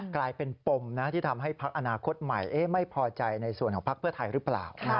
กลายเป็นปมที่ทำให้พักอนาคตใหม่ไม่พอใจในส่วนของพักเพื่อไทยหรือเปล่า